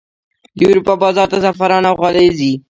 د اروپا بازار ته زعفران او غالۍ ځي